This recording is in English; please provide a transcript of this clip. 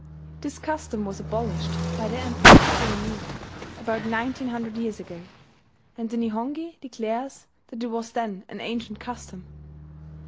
This custom was abolished, by the Emperor Suinin, about nineteen hundred years ago; and the Nihongi declares that it was then an ancient custom.